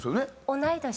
同い年。